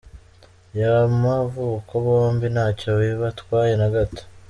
yamavuko bombi ntacyo bibatwaye na gato.